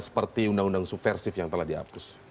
seperti undang undang subversif yang telah dihapus